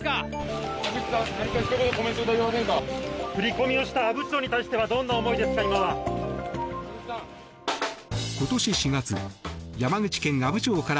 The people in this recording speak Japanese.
振り込みをした阿武町に対してはどんな思いですか？